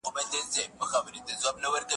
هغه دردونه او زخمونه